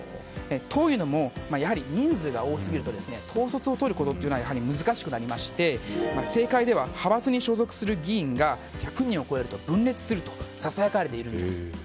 というのもやはり人数が多すぎると統率をとることが難しくなりまして政界では派閥に所属する議員が１００人を超えると分裂するとささやかれているんです。